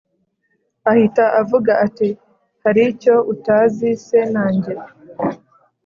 ahita avuga ati”hari icyo utazi se najye